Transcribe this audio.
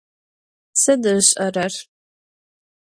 Sıd ış'erer?